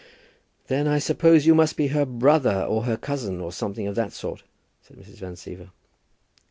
"Then I suppose you must be her brother, or her cousin, or something of that sort?" said Mrs. Van Siever.